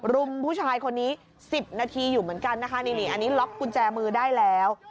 รุมผู้ชายคนนี้๑๐นาทีอยู่เหมือนกันนะคะนี่อันนี้ล็อกกุญแจมือได้แล้ว